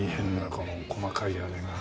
この細かいあれが。